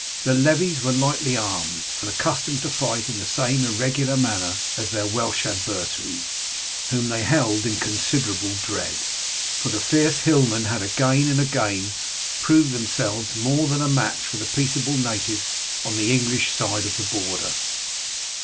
The levies were lightly armed, and accustomed to fight in the same irregular manner as their Welsh adversaries, whom they held in considerable dread, for the fierce hillmen had again and again proved themselves more than a match for the peaceable natives on the English side of the border.